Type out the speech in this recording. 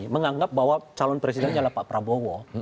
menganggap bahwa calon presidennya adalah pak prabowo